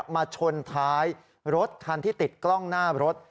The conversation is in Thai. มาชนท้ายรถคันที่ติดกล้องหน้ารถ